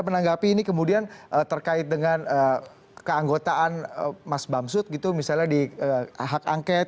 menanggapi ini kemudian terkait dengan keanggotaan mas bamsud gitu misalnya di hak angket